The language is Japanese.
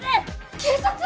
警察！？